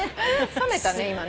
さめたね今ね。